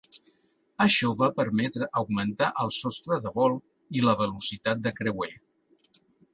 Això va permetre augmentar el sostre de vol i la velocitat de creuer.